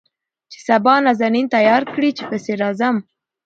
چې سبا نازنين تيار کړي چې پسې راځم.